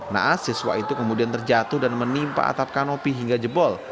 naas siswa itu kemudian terjatuh dan menimpa atap kanopi hingga jebol